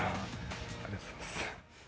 ありがとうございます。